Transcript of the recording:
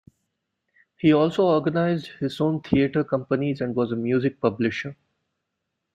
He also organised his own theatre companies and was a music publisher.